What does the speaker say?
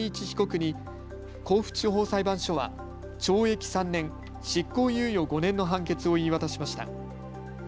被告に甲府地方裁判所は懲役３年、執行猶予５年の判決を言い渡しました。